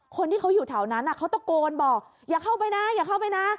คนที่เขาอยู่แถวนั้นเขาตะโกนบอกอย่าเข้าไปนะอย่าเข้าไปนะ